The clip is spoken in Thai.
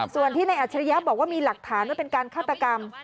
ส่วนที่ในอัจฉริยะบอกว่ามีหลักฐานว่าเป็นการฆาตกรรม